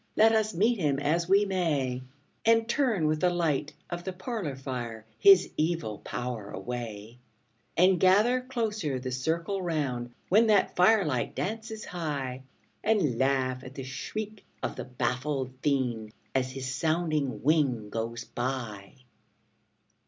Let us meet him as we may, And turn with the light of the parlor fire his evil power away; And gather closer the circle round, when that fire light dances high, And laugh at the shriek of the baffled Fiend as his sounding wing goes by!